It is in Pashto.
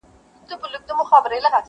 لمر په ختیځ کي راوځي.